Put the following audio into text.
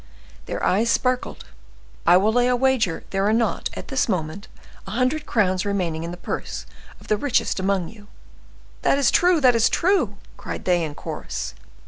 Their eyes sparkled. "I will lay a wager there are not, at this moment, a hundred crowns remaining in the purse of the richest among you." "That is true!" cried they in chorus.